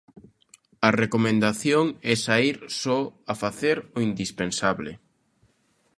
A recomendación é saír só a facer o indispensable.